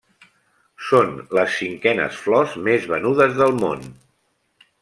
Són les cinquenes flors més venudes del món.